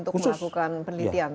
khusus untuk melakukan penelitian